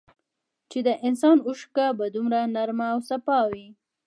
چي د انسان اوښکه به دومره نرمه او سپا وې